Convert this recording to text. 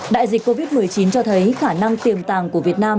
đại dịch covid một mươi chín cho thấy khả năng tiềm tàng của việt nam